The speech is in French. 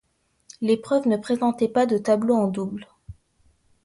L'épreuve ne présentait pas de tableau en double.